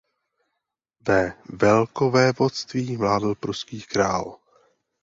Ve velkovévodství vládl pruský král.